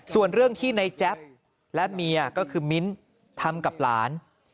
ส่วนเรื่องที่ในแจ๊บและเมียก็คือมิ้นทำกับหลาน